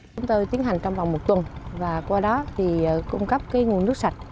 chúng tôi tiến hành trong vòng một tuần và qua đó thì cung cấp nguồn nước sạch